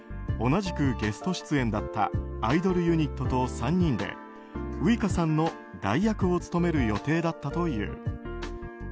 同じくゲスト出演だったアイドルユニットと３人でウイカさんの代役を務める予定だったという。